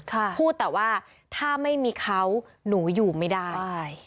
ใช่พูดแต่ว่าถ้าไม่มีเขาหนูอยู่ไม่ได้ใช่